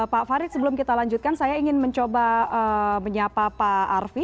pak farid sebelum kita lanjutkan saya ingin mencoba menyapa pak arfi